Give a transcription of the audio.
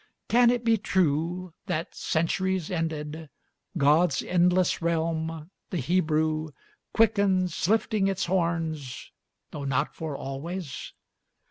Can it be true that, centuries ended, God's endless realm, the Hebrew, quickens Lifting its horns though not for always?